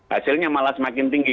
hasilnya malah semakin tinggi